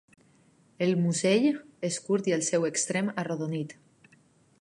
El musell és curt i el seu extrem arrodonit.